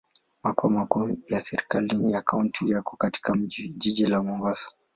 Makao makuu ya serikali ya kaunti yako katika jiji la Mombasa.